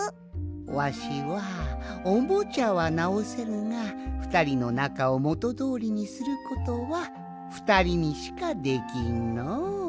わしはおもちゃはなおせるがふたりのなかをもとどおりにすることはふたりにしかできんのう。